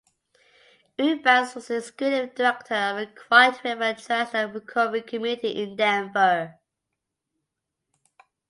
Eubanks was the executive director of Quiet River Transitional Recovery Community in Denver.